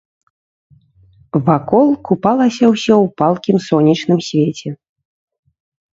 Вакол купалася ўсё ў палкім сонечным свеце.